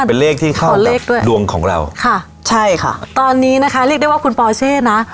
เป็นเลขที่เข้าเลขด้วยดวงของเราค่ะใช่ค่ะตอนนี้นะคะเรียกได้ว่าคุณปอเช่นะ